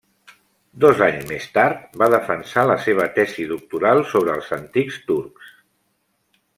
Dos anys més tard, va defensar la seva tesi doctoral sobre els antics turcs.